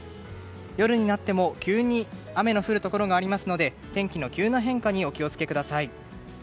夜になっても急に雨の降るところがありますので天気の急な変化にお気を付けください。